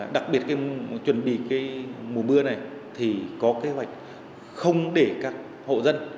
đặc biệt chuẩn bị mùa mưa này thì có kế hoạch không để các hộ dân